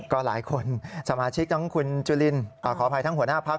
ก็หลายคนสมาชิกทั้งคุณจุลินขออภัยทั้งหัวหน้าพัก